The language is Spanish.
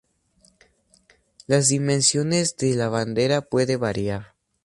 Las dimensiones de la bandera puede variar.